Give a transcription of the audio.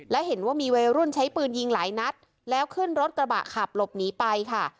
และเห็นว่ามีวัยรุ่นใช้ปืนยิงหลายนัดแล้วขึ้นรถกระบะขับหลบหนีไปค่ะ